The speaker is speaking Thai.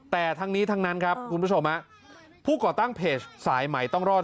แต่ทั้งนี้ทั้งนั้นครับคุณผู้ชมผู้ก่อตั้งเพจสายใหม่ต้องรอด